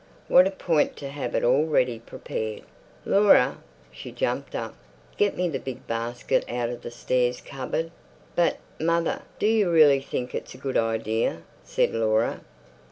What a point to have it all ready prepared. Laura!" She jumped up. "Get me the big basket out of the stairs cupboard." "But, mother, do you really think it's a good idea?" said Laura.